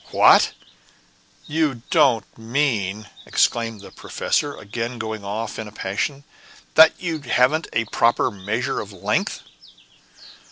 "What! you don't mean," exclaimed the professor, again going off into a passion, "that you haven't a proper measure of length?"